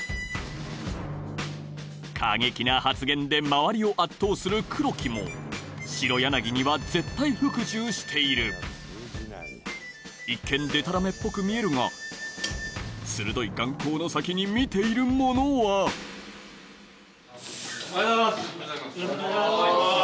過激な発言で周りを圧倒する黒木も白柳には絶対服従している一見でたらめっぽく見えるが鋭い眼光の先に見ているものはおはようございます。